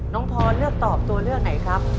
น้องพรเลือกตอบตัวเลือกไหนครับ